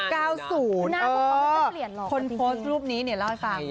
หน้าคุณเขาไม่ได้เปลี่ยนหรอกคนโพสต์รูปนี้เนี่ยเล่าให้ฟัง